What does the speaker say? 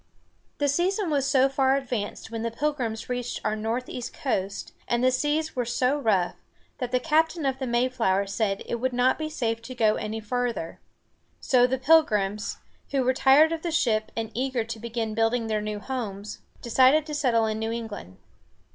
The season was so far advanced when the Pilgrims reached our northeast coast, and the seas were so rough, that the captain of the Mayflower said it would not be safe to go any farther. So the Pilgrims, who were tired of the ship and eager to begin building their new homes, decided to settle in New England.